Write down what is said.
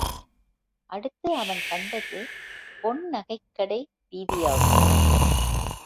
அடுத்து அவன் கண்டது பொன் நகைக் கடை வீதியாகும்.